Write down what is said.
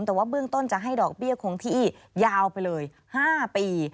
แต่ว่าเบื้องต้นจะให้ดอกเบี้ยคงที่ยาวไปเลย๕ปี